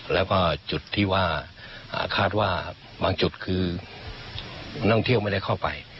แล้วก็จุดที่ว่าคาดว่าบางจุดคือนักท่องเที่ยวไม่ได้เข้าไป